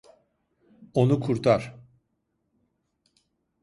Onu kurtar.